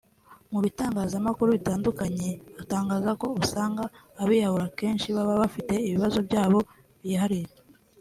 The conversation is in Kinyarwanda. Mu bitangazamakuru bitandukanye batangaza ko usanga abiyahura akenshi baba bafite ibibazo byabo bihariye